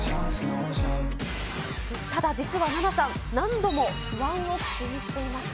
ただ実は、ナナさん、何度も不安を口にしていました。